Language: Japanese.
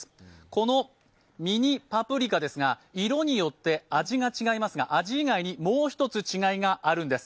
このミニパプリですが、色によって味が違いますが味以外にもう１つ違いがあるんです